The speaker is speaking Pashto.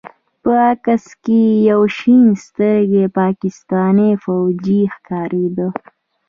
په عکس کښې يو شين سترګى پاکستاني فوجي ښکارېده.